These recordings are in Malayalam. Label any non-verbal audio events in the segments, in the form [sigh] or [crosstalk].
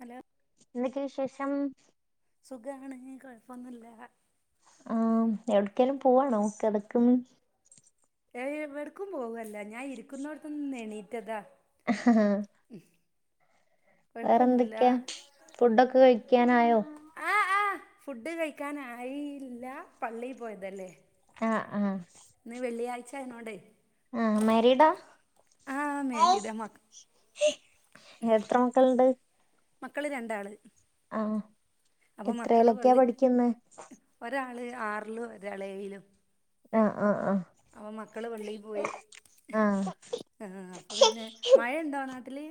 ഹലോ ന്ന്ക്കെ വിശേഷം സുഖാണ് കുഴപ്പൊന്നുല്ല ആ എവിടക്കേലും പോവാണോ കിതക്ക്ന്നു. ഏ എവിടക്കും പോകല്ല ഞാൻ ഇരിക്കുന്നോടത്തൊന്ന് എണീറ്റതാ അഹആഹ് ഉ വേറെന്തൊക്കെയാ ഫുഡൊക്കെ കഴിക്കാനായോ ആഹ് ആഹ് ഫുഡ് കഴിക്കാനായിയില്ല പള്ളീ പോയ്തല്ലേ ആഹ് ആഹ് ന്ന് വെള്ള്യായ്ച ആയ്നോണ്ടേ ആഹ് മാരീഡാ മേരിയുടെ മ എത്ര മക്കൾണ്ട്? മക്കള് രണ്ടാള് ആഹ എത്രലൊക്കെയാ പഠിക്കുന്ന്‌ ഒരാൾ ആറിലും ഒരാൾ ഏഴിലും ആഹ് ആഹ് ആഹ് അപ്പ മക്കള് പള്ളി പോയി ആഹ് ആ അപ്പൊ പിന്നെ മഴ ഇണ്ടോ നാട്ടില്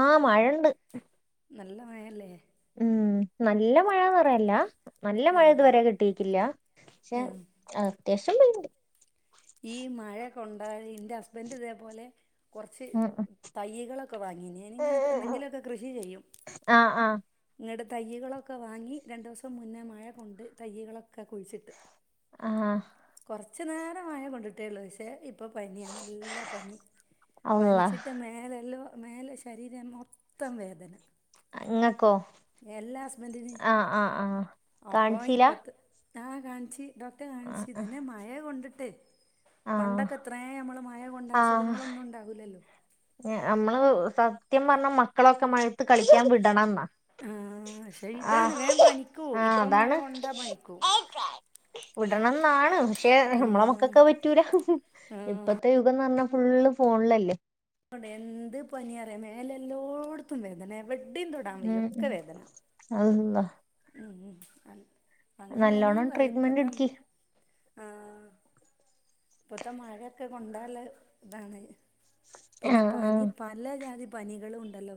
ആഹ മയണ്ട് നല്ല മഴ ല്ലേ ഉം നല്ല മഴന്ന് പറയാല്യ നല്ല ആ മഴ ഇതുവരെ കിട്ടിട്ടില്ല പക്ഷെ ആ അത്യാവശം [unintelligible] ഈ മഴ കൊണ്ടാല് ഇൻ്റെ ഹസ്ബൻഡ് ഇതേപോലെ കാെറച്ച് ഉം തയ്യ്കളൊക്കെ വാങ്ങീനിം ഉം എങ്ങനെക്കഎന്തെങ്കിലൊ ക്കെ കൃഷി ചെയ്യും ആഹ് ആഹ് ഇങ്ങട് തയ്യ്കളൊക്കെ വാങ്ങി രണ്ടൂസം മുന്നേ മഴ കൊണ്ട് തയ്യ്കളൊക്കെ കുഴിച്ചിട്ട് ആഹ് കൊർച്ച്‌ നേരം മഴ കൊണ്ടിട്ടേള്ളൂ പക്ഷേ ഇ ഇപ്പ പനിയാ നല്ല പനി അള്ളാ പനിച്ചിട്ട് മേലെല്ലോം മേല് ശരീരം മൊത്തം വേദന അഇങ്ങക്കോ എല്ലാ ഹസ്ബൻറിന് അപ്പൊ കാണിച്ചീല ഇപ്പത്ത് ആ കാണിച്ചി ഡോക്ടറെ കാണിച്ചി ഇതന്നെ മഴ കൊണ്ടിട്ടെ ആഹ് പണ്ടൊക്കെ എത്രേ നമ്മള് മഴകൊണ്ടാ ആഹ് അസുഖങ്ങളൊന്നും ഇണ്ടാവൂല്ലല്ലോ നമ്മള് സത്യം പറഞ്ഞ മക്കളൊക്കെ മഴത്ത് കളിക്കാൻ വിടണംന്നാ ഉം ക്ഷെ ഇതാണ് ആഹ് വേം പനിക്കൂ ആഹ് ഇപ്പം മഴ അതാണ് കൊണ്ടാ പനിക്കൂ വിടണംന്നാണ് പക്ഷെ നമ്മളെ ആഹ് മക്കക്ക് അത്‌ പറ്റൂല ആഹ് ഇപ്പത്തെ യുഗംന്നർഞ്ഞാ ഫുള്ള് ഫോൺലല്ലേ ഓടെ എന്ത് പനിയാറിയാേ മേലെല്ലോട്ത്തും വേദന എവടിംതൊടാൻ വയ്യ ഉം ഒക്കെ വേദന അള്ളാ ഉം ഉം അങ്അങ്ങനെയാണ് നല്ലോണം പറ ട്രീറ്റ്മെന്റ് ഇപ്പത്തമ് എടുക്കി ആഹ് ഇപ്പത്തെ മഴൊക്കെ കൊണ്ടാൽ താണ് പിന്നെ ആഹ് പനി ആഹ് പല ജാതി പനികളും ഉണ്ടല്ലോ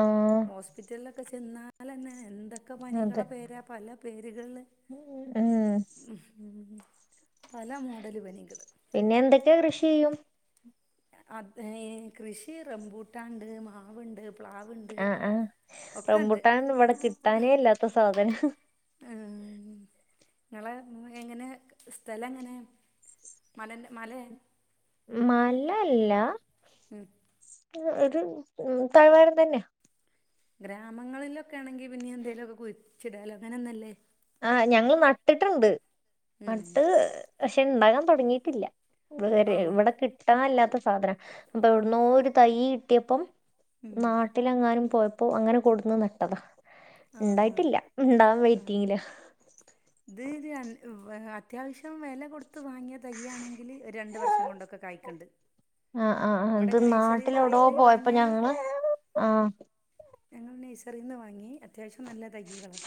ആഹ് ഹോസ്പിറ്റലെ ക്കെ ചെന്നാലന്നെ എന്തൊ ക്കെ പനികളെ അതെ പേരാ പല പേര്കൾല് ഉം പല മോഡല് പനികള് പിന്നെ എന്തൊക്കെ കൃഷി ചെയ്യും അതെയ് കൃഷി റംമ്പൂട്ടാണ്ട് മാവ്ണ്ട് ആഹ് ആഹ് റബുട്ടാനൊന്നും ഇവടെ കിട്ടാനേ ഇല്ലാത്ത സാധനാ ഉം നിങ്ങളെ എങ്ങനെ സ്ഥലം എങ്ങനെ മലെന്റെ മല മല അല്ല ഉം ഒരു തഴ്വാരം തന്ന്യ ഗ്രാമങ്ങളിലൊക്കെ ആണെങ്കി പിന്നിംഎന്തേലാെക്കെ കുഴിച്ചിടാലോ ഉങ്ങനെന്നല്ല് ആഹ് ഞങ്ങൾ നട്ടിട്ടുണ്ട് ഉം നട്ട് പക്ഷെ ഇണ്ടാകാൻ തുടങ്ങിയിട്ടില്ല വേറെ ആ ഇവടെ കിട്ടാൻല്ലാത്ത സാധനാ അപ്പൊ എവ്ട്ന്നോ ഒരു തയ്യ് കിട്ടിയപ്പം ഉം നാട്ടിലെങ്ങാനും പോയപ്പോ അങ്ങനെ കൊട്ന്ന് നട്ടതാ ആ ഇണ്ടായിട്ടില്ല ഇണ്ടാവൻ ആ വെയിറ്റിങ്ങിലാ ഇത് രൺ ഉവ് അത്യാശ്യം വെല കൊട്ത്ത് വാങ്ങ്യാ തയ്യ് ആണെങ്കില് ഒരണ്ട് വർഷം കൊണ്ടൊക്കെ കായ്ക്കിണ്ട് ആഹ് ആഹ് അഹ് ഇത് നാട്ടിലോടോ പോയിട്ട് പോയപ്പോ വാങ്ങിയാൽ ഞങ്ങള് ആഹ് ഞങ്ങൾ നയ്സറിന്നാ വാങ്ങ്യ അത്യാവശ്യം നല്ല തയ്യ്കളാ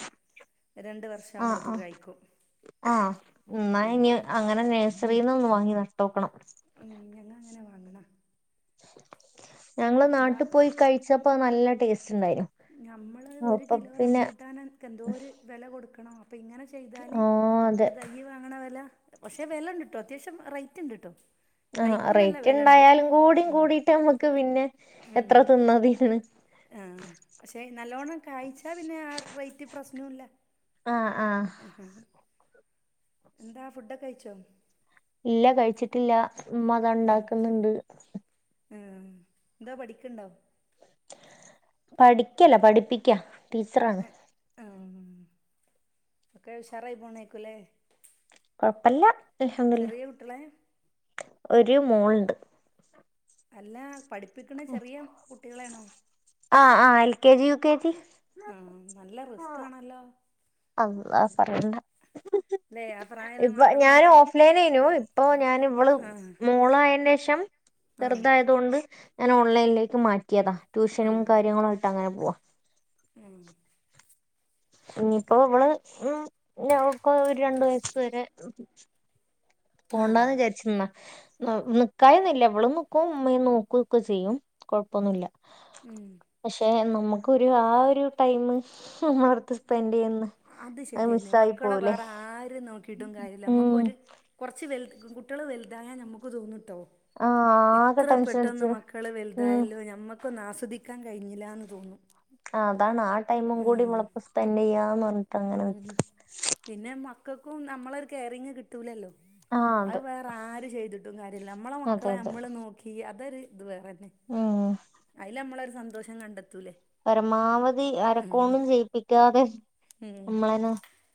രണ്ട് വർഷം ആവാൻ ആഹ് പോവ് ആഹ് ആഹ് ഇന്നാ ആ ഇനി അങ്ങനെ നേഴ്സറീന്ന് ഒന്ന് വാങ്ങി നട്ടോക്കണം ഉം ഞങ്ങളങ്ങനെ വാങ്ങ്ണാ ഞങ്ങള് എന്നാ നാട്ടിൽ പോയി കഴിച്ചപ്പോ നല്ല ടേസ്റ്റ് ഉണ്ടായിരുന്നു നമ്മള് ഒരു അപ്പൊ കിലോ പിന്നെ റംബൂട്ടാന് ക്കെഎന്തോര് വെല കൊടുക്കണം അപ്പൊ ഇങ്ങനെ ചെയ്താല് ആഹ് അതെ ഒരുത് മീ വാങ്ങ്ണ വെല പഷെ വെല ഇണ്ട്ട്ടോ അത്യാശ്യം റേയ്റ്റ് ഇണ്ടിട്ടോ ആ റേറ്റ് ഇണ്ടായാലും കൂടിം ഉം കൂടിട്ട് നമ്മക്ക് പിന്നെ എത്ര തിന്നതിണ് ആഹ് പക്ഷെ നല്ലോണ്ണം കായ്ച്ച പിന്നെ ആ റേറ്റ് പ്രശ്നവുംല്ല ആഹ് ആഹ് എന്താ ഫുഡ് ഒക്കെ കഴിച്ചോ ഇല്ല കഴിച്ചിട്ടില്ല ഉമ്മ അതാ ഉണ്ടാക്കുന്നുണ്ട് മ്മ് എന്തോ പഠിക്കുണ്ടോ പഠിക്കല്ല പഠിപ്പിക്ക ടീച്ചറാണ് ആഹ് ഒക്കെ ഉഷാറായി പോണേക്കൂല്ലേ കൊഴപ്പല്ല അൽഹംദുലില്ല അട്ടളേ ഒരു മോൾണ്ട് അല്ല ചെറിയ കുട്ടികളെണോ ആഹ് ആഹ് L K G, U K G ആഹ് നല്ല റിസ്ക് ആണല്ലോ അള്ളാ പറയണ്ട അല്ലേ ആ പ്രായല്ല ഇപ്പൊ മക്കളെ ഞാൻ നോക്കാൻ ഓഫ് ലൈനയിനു ഇപ്പൊ ഞാൻ ഇവള് ആ മോള ആയേന്റെ ശേഷം ആ ചെറുതായതോണ്ട് ഞാൻ ഓൺലൈനിലേക്ക് മാറ്റിയതാ ആ ട്യൂഷനും കാര്യങ്ങളു ആയിട്ട് അങ്ങനെ പോവാ ഉം ഇനിയിപ്പോ ഇവള് ഉപ്പ ഒരു രണ്ട് വയസ് വരെ ആ പോണ്ടാന്ന് വിചാരിച്ചിന്നാ നിക്കായൊന്നുല്ല വിളും നിക്കും മ്മ നോക്ക ഒക്കെ ചെയ്യും കൊഴപ്പൊന്നുമില്ല ഉം പക്ഷെ നമുക്കാെരു ആ ഒരു ടൈം [unintelligible] ടുത്ത് സ്പെൻഡയ്യുന്ന- അത് ശരിയന്നെ മക്കളെ വേറെ ആര് നോക്കീട്ടും കാര്യല്ല ഉം നമ്മക്കൊര്- കൊറച്ച് വൽ കുട്ട്യാൾ വൽതായാ നമുക്കും സുഖം കിട്ടും ആഹ് ആകെ ഇത്ര ടെൻഷൻ പെട്ടെന്ന് അടിച്ച് മക്കള് ഉം വലുതായല്ലോ ഞമ്മക്ക് പ്പൊന്ന് ആസ്വദിക്കാൻ കഴിഞ്ഞിലാന്ന് തോന്നും ആഹ് അതാണ് ആ ടൈമും കൂടി ഉം മ്മളപ്പം സ്പെൻഡ് ചെയ്യാന്ന് പറഞ്ഞിട്ട് അങ്ങനെ ഉം നിക്ക് പിന്നെ മക്കൾക്കും നമ്മളെ ഒരു കെയറിങ്ങ് കിട്ടി ത്തൂലല്ലോ ആഹ് അഅ് അതെ വേറെ ആര് ചെയ്തിട്ടും കാര്യ നമ്മളെ അതെ മക്കളെ അതെ നമ്മള് നോക്കി അതൊരു ഇത് വേറെന്നെ ഉം അതില് നമ്മളൊരു സന്തോഷം കണ്ടെത്തൂലേ പരമാവധി ഉം അരക്കോണ്ടുചെയ്യിപ്പിക്കാതെ ഉം നമ്മളന്നെ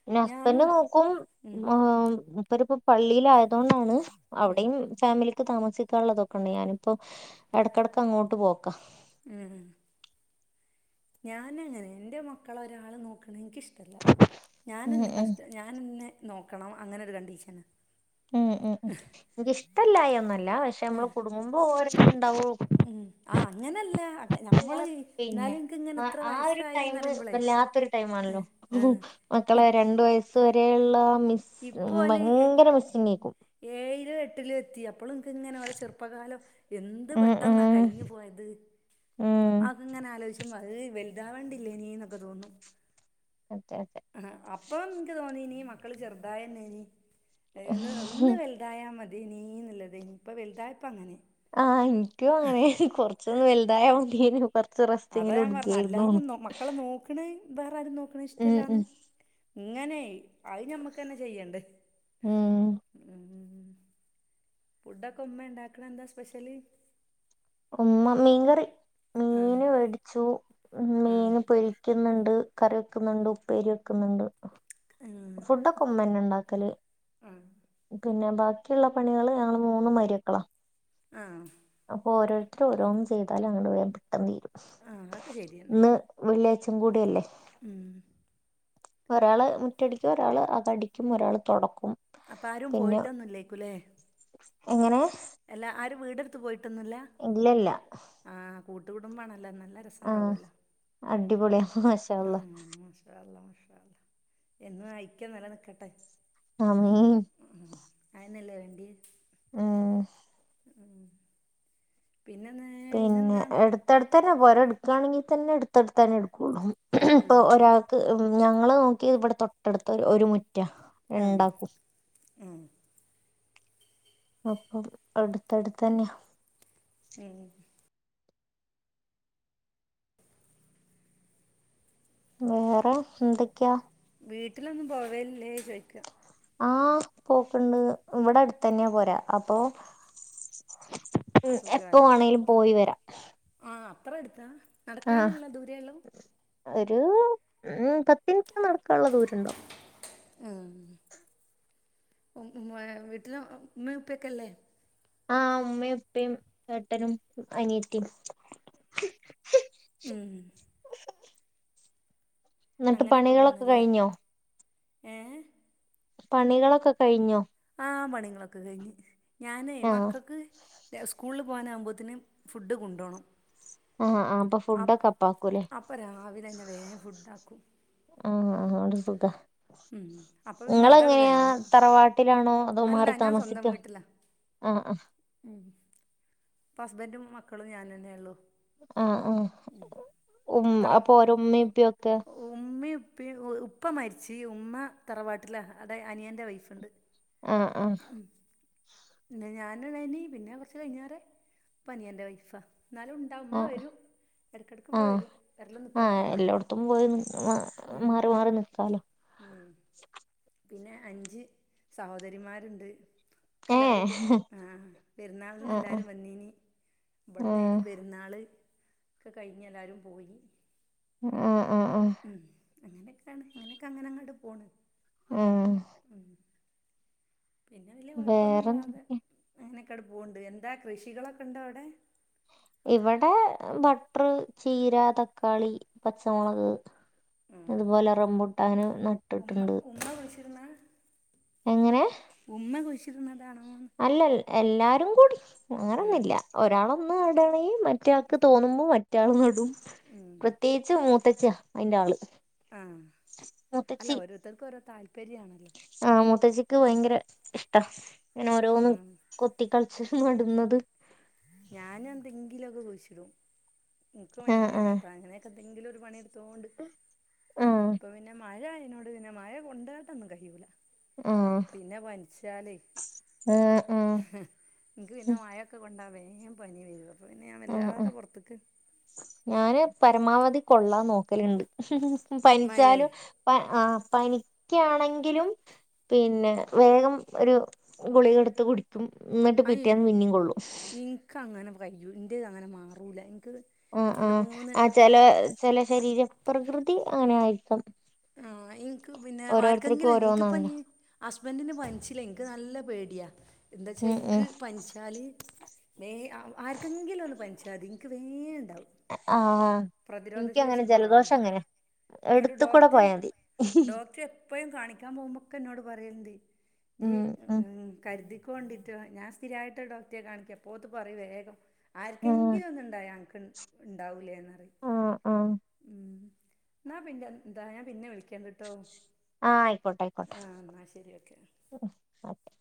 പിന്നെ ഹസ്ബൻഡ് ഞാനും നോക്കും ഉം മുപ്പരിപ്പോ പള്ളിയിലായതുകൊണ്ടാണ് അവിടെയും ഫാമിലിക്ക് താമസിക്കാനുള്ളതൊക്കെയ ഉണ്ട് ഞാനിപ്പോ എടക്കിടക്ക് അങ്ങോട്ട് പോക്കാം ഉം ഞാന അങ്ങനെ, ന്റെ മക്കളെ ഒരാള് നോക്കണ എനിക്കിഷ്ടല്ല. ഉം ഞാന്നെ ഉം കഷ്ട ഞാനിന്ന് നോക്കണം അങ്ങനെ ഒരു കണ്ടീഷന ഉം ഉം ഉം എനക്ക്ഷ്ടല്ലായികൊന്നുല്ല പക്ഷെ നമ്മള് കുടുങ്ങുമ്പോ ഓരൊക്കെ ഉണ്ടാവോ ഉം ആഹ് അങ്ങനല്ല നമ്മള്, പിന്നെ എന്നാലും ൻക്ക് ഇങ്ങനെ ഇത്ര ആ ഒരു ടൈം വയസായിന്നറിയുമ്പളെയ് വല്ലാത്തൊരു ടൈമാണല്ലോ അഹ് മക്കളെ രണ്ട വയസ്സ് വരെയുള്ള മിസ് ഇപ്പോ ഓല് എ ഭയങ്കര മിസ്സിംഗയ്ക്കും. ഏഴിലും എട്ടിലും എത്തിയ ഇപ്പളും ഇൻക്ക് ഇങ്ങനെ ഓലെ ചെറുപ്പകാലം, എന്ത് ഉം പെട്ടെന്നാ ഉം കഴിഞ്ഞു പോയത്. ഉം അതിങ്ങനെ ആലോചിച്ചുമ്പോ അഹ് വലുതാവണ്ടില്ലേനി എന്നൊക്കെ തോന്നും അതെ അതെ ആഹ് അപ്പം ൻക്ക് തോന്നിനി മക്കള് ചെറുതായന്നെയ്നി ന്ന് ഒന്ന് വ വലതായ മതിയെന്നി പ്പ വലുതായപ്പ അങ്ങനെ ആഹ് എനിക്കും അങ്ങനെ കൊറച്ചൊന്ന് വലുതായ മതിന്നു കുറച്ച് റസ്റ്റെങ്കിലും എടുക്കയിരുന്നു ക്കണ വേറെ ആരും നോക്കണ ഇഷ്ടല്ലാണ് ഇങ്ങനെ അഹ് ഞമ്മക്ക് തന്നെ ചെയ്യണ്ടേ? ഉം ഉം ഫുഡൊക്കെ ഉമ്മ ഉണ്ടാക്കണേ എന്താ സ്പെഷ്യൽ ഉമ്മ മീൻ കറി ആഹ് മീൻ മേടിച്ചു ഉം മീന് പൊരി വക്കുന്നുണ്ട് കറി വെക്കുന്നുണ്ട് ഉപ്പേരി വെക്കുന്നുണ്ട് ഉം ഫുഡ്‌ കുമ്മന ഉണ്ടാക്കല് പിന്നെ ബാക്കിയുള്ള പണികള് ഞങ്ങള് മൂന്ന് മരിയൊക്കല്ല ആഹ്. അപ്പൊ ഓരോരുത്തര് ഓരോന്ന് ചെയ്താല് അങ്ങട്ട് വേ പെട്ടന്ന് തീരും ആഹ് അതൊക്കെ ശരിയന്നെ ഇന്ന് വെള്ളിയാഴ്ച്ചും കൂടല്ലേ ഉം ഒരാൾ മുറ്റടിക്കും ഒരാൾ അകടിക്കും ഒരാൾ തുടക്കും. അപ്പ ആരും പോയിട്ടൊന്നില്ലേക്കുല്ലേ എങ്ങനെ അല്ലാ ആര് വീടെടുത്ത് പോയിട്ടൊന്നില്ലേ ഇല്ലല്ല ആഹ് കൂട്ട്‌ കുടുമ്പാണല്ലോ നല്ല രസ ആഹ് അടിപൊളിയ മാഷാഅല്ലാഹ്‌ ആഹ് മാഷാ അല്ലഹ് മാഷാ അല്ലഹ് എന്നും അ അയിക്യം നെല നിക്കട്ടെ ആമീൻ. ഉം അയന്നല്ലേ വേണ്ടി ഉം ഉം പിന്നൊന്ന് പിന്നെ എടുത്ത്ടുത്തന്നെ. പോര എടുക്കുകയാണെങ്കിൽ തന്നെ, എടുത്ത്ടുത്തന്നെ എടുക്കുള്ളൂ. ഇപ്പൊ ആഹ് ഒരാൾക്ക് ഞങ്ങള് നോക്കി ഇവിടെ തൊട്ടടുത്ത ഒരു മുറ്റ ആ ആ അപ്പത് അടുത്തടുത്തന്നെയ. ഉം വേറെ എന്തൊക്കെയാ? വീട്ടിലൊന്നും പോവല്ലേ ചോദിക്കുക ആഹ പോക്ണ്ട് ഇവിടെ അടുത്ത തന്നെയാ പോരാ അപ്പൊ ഉ എപ്പോ വാണെങ്കിലും പോയി വരാം. ആ അത്ര ഏടുത്താ? ആഹ്. ഒരു ഉ പത്തിൻറ്റ് നടക്കാനുള്ള ദൂരണ്ടാവും. ഉം വീട്ടില് ഉമ്മി ഉപ്പിയൊക്കില്ലേ ആഹ് ഉമ്മയും ഉപ്പയും ഏട്ടനും അനിയത്തിയും ഉം എന്നിട്ട് അങ്ങനെയൊക്കെ പണികളൊക്കെ പോണ്ല്ലേ കഴിഞ്ഞോ ഏഹ് പണികളൊക്കെ കഴിഞ്ഞോ? ആ പണിങ്ങളൊക്കെ കഴിഞ്ഞ് ഞാന് ആഹ് മക്കക്ക് സ്കൂളിൽ പോകാനാവുമ്പോത്തിന് ഫുഡ് കൊണ്ടോണം ആഹ് ആഹ് പഫ് അ അപ്പോ രാവിലെന്നെ വേം ഫുഡ് ആക്കും ആഹ്, ആഹ് ഓര് സുഖ. ഉം അപ്പം പിന്നെ ഇങ്ങള് അതട് എങ്ങനെയാ കഴിഞ്ഞ് തറവാട്ടിലാണോ അതോ അല്ല മാറി ഞാൻ താമസിക്ക ആഹ് ആഹ് ഉം. ഇപ്പ ഹസ്ബന്റും, മക്കളും ഞാനെന്നെള്ളു. ആഹ ആ ഉ തറ അപ്പൊ ഓരമ്മപ്പ്യൊക്കെ ഉമ്മയും ഉപ്പയും ഉപ്പ മരിച്ച് ഉമ്മ തറവാട്ടിലാ അത അനിയൻ്റെ വൈഫുണ്ട് ആഹ് ആഹ് ഉം. ന്നെ ഞാൻണ്ണേയ് നി പിന്നെ കുറച്ച് കഴിഞ്ഞേറെ, പ്പനിയൻറെ വൈഫാ. ന്നാലും ഉ എ അമ്മ ആഹ് വരും. എടക്കിടക്ക് ഇവിടെ ആഹ് വരും വരലും നിക്കലൊക്കെ ആഹ് ഉണ്ട് എല്ലോടത്തും പോയി മാ ഉം മാറി മാറി നിക്കാലോ ഉം. പിന്നെ, അഞ്ച് സഹോദരിമാര് ണ്ട്. ക്ക എല്ലാവരും ഏഹ് പെ ആ പെരുന്നാള നിന്ന് ആഹ് എല്ലാരും വന്നീനി ആഹ് ഇവിടന്ന്അയ്നി പെര് ആഹ് പെരുന്നാൾ ഒക്കെ കഴിഞ്ഞ് എല്ലാരും പോയി ആഹ് ആഹ് ഉം ഉം അങ്ങനെയൊക്കെയാണ് അങ്ങനെയൊക്കെ അങ്ങനെ അങ്ങട്ട് പോണ് ഉം ഉം പിന്നെ വല്യ കുഴപ്പമൊന്നുല്ലാതെ വേറെന്തൊക്കെ അങ്ങനെയൊക്കെ അടെ പോവണ്ട് എന്താ കൃഷികളൊക്കെ ഉണ്ടോ അവിടെ ഇവിടെ ബട്ടർ ചീര തക്കാളി പച്ചമുളക് ഉം അതുപോലെ, റംബൂട്ടാൻ നട്ട്ടുണ്ട്. ഇന്നാ വിളിചിര്ന്ന് എങ്ങനെ ഉമ്മ കുഴിച്ചിട്ണതാണോന്ന് അല്ല എല്ലാരും കൂടി അങ്ങനൊന്നില്ല ഒരാളൊന്ന് നടണേങ്കിൽ മറ്റാൾക്ക് തോന്നുമ്പോൾ മറ്റാൾ നടും ഉം പ്രത്യേകിച്ച് മൂത്തച്ചിഅയിന്റെ ആള് ആഹ് അല്ല ഓരോരുത്തർക്കും ഓരോ താല്പര്യമാണല്ലോ ആഹ് മുത്തച്ചിക്ക് ഭയങ്കര ഇഷ്ട ഇങ്ങനെ ഓരോന്ന ഉം കുട്ടികളിച്ച നടുന്നത് ഞാന് എന്തെങ്കിലൊക്കെ കുഴിച്ചിടും എനിക്കും ആ ഭയങ്കര ആ ഇഷ്ട അങ്ങനെയൊക്കെ എന്തെങ്കിലും ഒരു പണിയെടു തോണ്ട്. ആ ഇപ്പൊ പിന്നെ മഴ ആയിനോട് പിന്നെ മഴ കൊണ്ടാട്ടൊന്നും കഴൂല. ആ പിന്നെ പൻച്ചാല് ആ ആ എനിക്ക് പിന്നെ മയൊക്കെ കൊണ്ടാ വേം പനി വരും അപ്പൊ പിന്നെ ഞാൻ ആ ആ വല്ലാതെ പുറത്തക്ക് ഞാന് പരമാവധി കൊള്ളാൻ നോക്കലുണ്ട് മഴേ പനിച്ചാലും ആഹ് പനിക്കാണെങ്കിലും പിന്നെ വേഗം ഒരു ഗുളികെടുത്ത് കുടിക്കും ന്നിട്ട് പിറ്റേന്ന് പിന്നെ കൊള്ളും ഇക് അങ്ങനെ കയ്യു ഇൻ്റ ഇത് അങ്ങനെ മാറൂല എനിക്ക് ആഹ് ആഹ് ആഹ് ചെല ചെല ശരീര പ്രകൃതി അങ്ങനെ ആയിരിക്കാം ആഹ് ഇനിക്ക് പിന്നെ ഓരോരുത്തർക്കും ആർക്കെങ്കിലും നിക്ക് ഓരോന്നാണല്ലോ പ്പഞ്ഞീ ഹസ്ബൻഡന് പനിച്ചില്ലേനിക്ക് നല്ല പേടിയാന്താച്ചാൽ ഉം എനിക്ക് ഉം പനിച്ചാൽ മ ആർക്കെങ്കിലും ഒന്ന് പഞ്ച്ചതി എനിക്ക് വേ ആനിക്കങ്ങനെ ശേഷി കൊറവാ ജലദോഷം അങ്ങനെ ഇങ്ങട്ട് എടുത്ത കൂടെ ഡോക്ടർ പോയാ മതി ഡോക്ടർ എപ്പഴും കാണിക്കാൻ പോകുമ്പോക്കെ ന്നോട് പറയൽണ്ട് ജീ ഉം ഉം കരുതിക്കൊണ്ടിട്ട ഞാൻ സ്ഥിരയായിട്ട് ഡോക്ടറെ കാണിക്കാ അപ്പോത്ത് പറ വേഗം ആർക്കെങ്കിലും ഒന്നുംണ്ടായ അന ക്ക് ഇണ്ടാവൂലേ ന്നറിം. ആ ആ ഉം. ന്നാ പിന്നെ എന്താ ഞാൻ പിന്നെ വിളിക്കണ്ട് ട്ടോ ആഹ് അയ്ക്കോട്ടെ അയ്ക്കോട്ടെ ഓക്കെ